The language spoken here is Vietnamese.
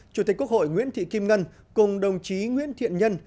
chủ tịch quốc hội nguyễn thị kim ngân cùng đồng chí nguyễn thiện nhân